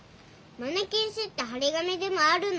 マネきん止ってはり紙でもあるの？